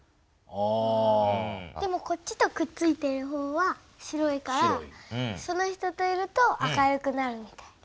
でもこっちとくっついてる方は白いからその人といると明るくなるみたいな。